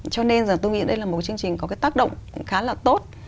cho nên là tôi nghĩ đây là một chương trình có cái tác động cũng khá là tốt